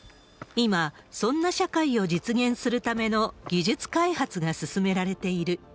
今、そんな社会を実現するための技術開発が進められている。